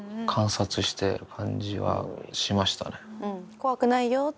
怖くないよって。